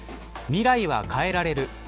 未来は変えられる。